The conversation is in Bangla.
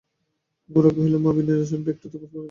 গোরা কহিল, মা, বিনয়ের আসনটা একটু তফাত করে দাও।